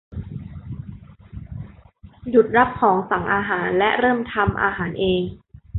หยุดรับของสั่งอาหารและเริ่มทำอาหารเอง !